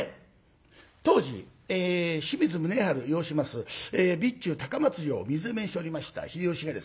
当時清水宗治擁します備中高松城を水攻めにしておりました秀吉がですね